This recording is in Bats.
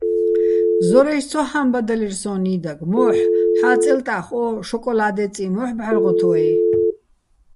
ზორაჲში̆ ცოჰა́მბადალირ სოჼ ნი́დაგ: მოჰ̦, ჰ̦ა წელტა́ხ ო შოკოლა́დეწი მო́ჰ̦ ბჵარღოთ ვაჲ?